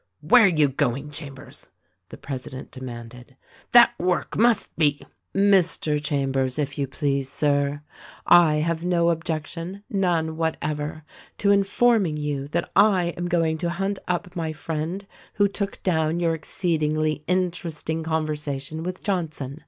"Where are you going, Chambers?" the president de manded. "That work must be " "Mr. Chambers, if you please, Sir. I have no objection — none whatever — to informing you that I am going to hunt up my friend who took down your exceedingly interesting conversation witli Johnson.